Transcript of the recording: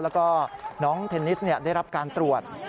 แล้วก็น้องเทนนิสได้รับการตรวจ